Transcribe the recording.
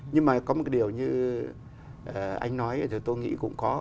nhưng mà có một cái điều như anh nói thì tôi nghĩ cũng có